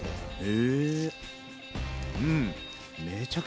へえうん。